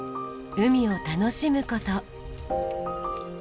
海を楽しむこと。